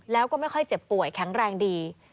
แล้วก็ไม่ค่อยเจ็บป่วยแข็งแรงดี